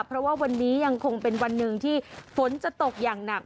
เพราะว่าวันนี้ยังคงเป็นวันหนึ่งที่ฝนจะตกอย่างหนัก